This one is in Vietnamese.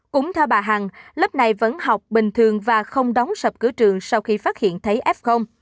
cũng theo bà hằng lớp này vẫn học bình thường và không đóng sập cửa trường sau khi phát hiện thấy f